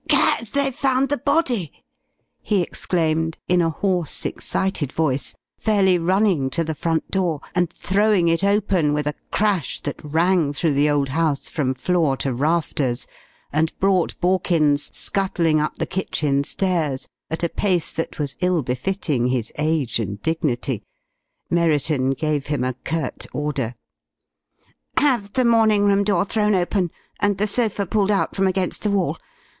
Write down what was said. "Gad! they've found the body," he exclaimed, in a hoarse, excited voice, fairly running to the front door and throwing it open with a crash that rang through the old house from floor to rafters, and brought Borkins scuttling up the kitchen stairs at a pace that was ill befitting his age and dignity. Merriton gave him a curt order. "Have the morning room door thrown open and the sofa pulled out from against the wall.